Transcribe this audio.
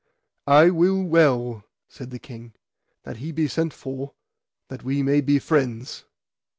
I will well, said the king, that he be sent for, that we may be friends.